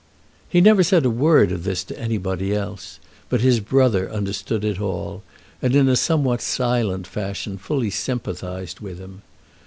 He never said a word of this to anybody else; but his brother understood it all, and in a somewhat silent fashion fully sympathised with him.